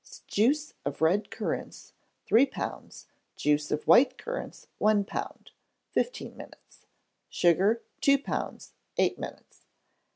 Juice of red currants, three pounds; juice of white currants, one pound: fifteen minutes. Sugar, two pounds: eight minutes.